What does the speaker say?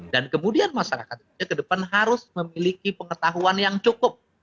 dan kemudian masyarakat indonesia kedepan harus memiliki pengetahuan yang cukup